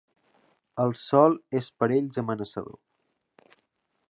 El sol és per a ells amenaçador.